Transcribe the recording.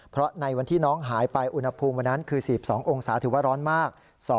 เพราะในวันที่น้องหายไปอุณหภูมิวันนั้นคือ๔๒องศาถือว่าร้อนมาก